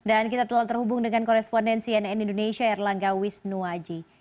dan kita telah terhubung dengan korespondensi nn indonesia erlangga wisnuwaji